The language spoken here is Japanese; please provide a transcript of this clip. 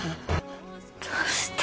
どうして？